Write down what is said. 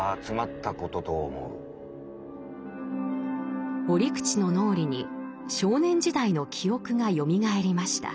折口の脳裏に少年時代の記憶がよみがえりました。